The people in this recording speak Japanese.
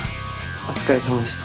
お疲れさまでした。